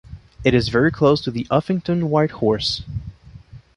It is very close to the Uffington White Horse.